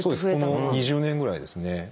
この２０年ぐらいですね。